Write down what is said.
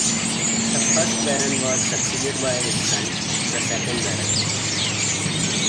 The first Baron was succeeded by his son, the second Baron.